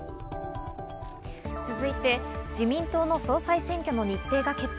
続いて自民党の総裁選挙の日程が決定。